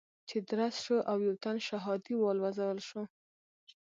چې درز شو او يو تن شهادي والوزول شو.